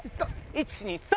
１２３！